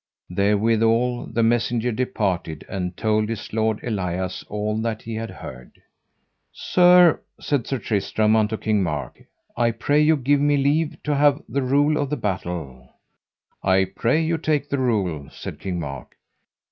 Therewithal the messenger departed and told his lord Elias all that he had heard. Sir, said Sir Tristram unto King Mark, I pray you give me leave to have the rule of the battle. I pray you take the rule, said King Mark.